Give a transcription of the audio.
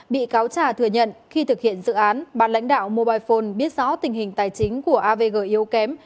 bị cáo trà thừa nhận khi thực hiện dự án bà lãnh đạo mobile phone biết rõ tình hình tài chính của avg yếu kém